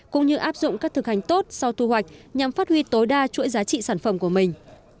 cũng như áp dụng các thực hành tốt sau thu hoạch nhằm phát huy tối đa chuỗi giá trị sản phẩm của mình